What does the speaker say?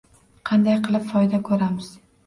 Qanday qilib foyda ko’ramiz